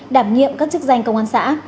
đảm nhiệm các chức danh công an xã